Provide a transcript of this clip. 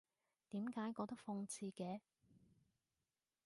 點解覺得諷刺嘅？